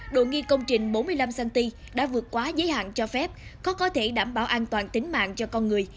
đồ nghi công trình bốn mươi năm cm đã vượt quá giới hạn cho phép khó có thể đảm bảo an toàn tính mạng cho con người